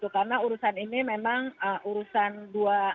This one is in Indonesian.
karena urusan ini memang urusan dua